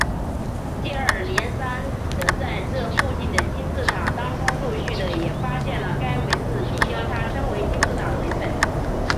接二连三的在这附近的金字塔当中陆续了也发现了该文字并将它称为金字塔文本。